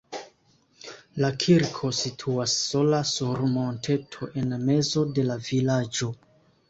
La kirko situas sola sur monteto en mezo de la vilaĝo.